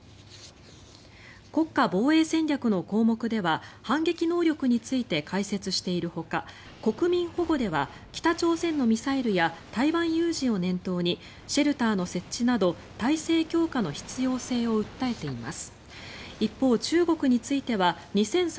国家防衛戦略の項目では反撃能力について解説しているほか国民保護では北朝鮮のミサイルや台湾有事を念頭にシェルターの設置など体制強化の必要性を訴えています。